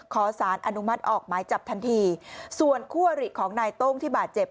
ขอสารอนุมัติออกหมายจับทันทีส่วนคู่อริของนายโต้งที่บาดเจ็บ